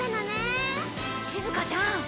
しずかちゃん！